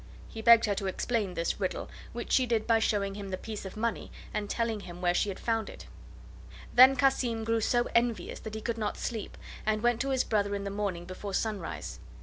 He begged her to explain this riddle, which she did by showing him the piece of money and telling him where she found it. Then Cassim grew so envious that he could not sleep, and went to his brother in the morning before sunrise.